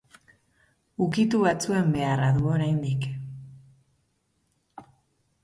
Ukitu batzuen beharra du oraindik.